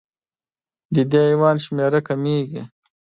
د دې حیوان شمېره کمېږي.